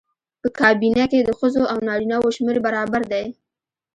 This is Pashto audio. په کابینه کې د ښځو او نارینه وو شمېر برابر دی.